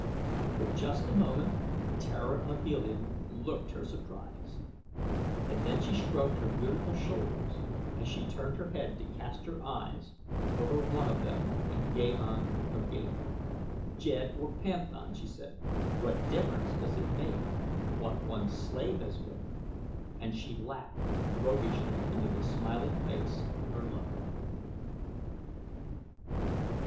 For just a moment Tara of Helium looked her surprise; and then she shrugged her beautiful shoulders as she turned her head to cast her eyes over one of them at Gahan of Gathol. "Jed or panthan," she said; "what difference does it make what one's slave has been?" and she laughed roguishly into the smiling face of her lover.